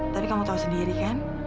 tadi kamu tau sendiri kan